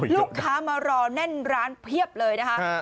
ลูกค้ามารอแน่นร้านเพียบเลยนะคะ